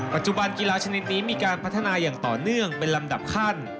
ปัจจุบันกีฬาชนิดนี้มีการพัฒนาอย่างต่อเนื่องเป็นลำดับขั้น